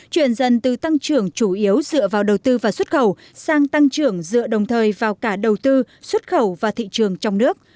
chuyển dần từ tăng trưởng chủ yếu dựa vào đầu tư và xuất khẩu sang tăng trưởng dựa đồng thời vào cả đầu tư xuất khẩu và thị trường trong nước